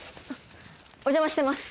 お邪魔してます